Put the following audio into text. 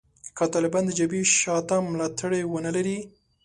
که طالبان د جبهې شا ته ملاتړي ونه لري